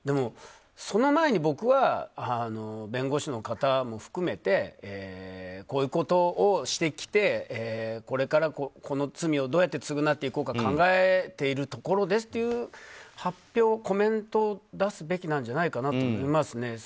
その前に僕は弁護士の方も含めてこういうことをしてきてこれからこの罪をどうやって償っていこうか考えているところですという発表、コメントを出すべきなんじゃないかなと思いますね。